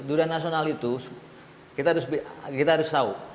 durian nasional itu kita harus tahu